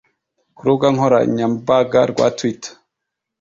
Ku rubuga nkoranyambaga rwa Twitter